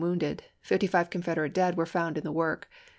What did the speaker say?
wounded ; 55 Confederate dead were found in the work.